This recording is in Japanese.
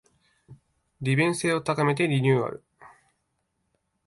利便性を高めてリニューアル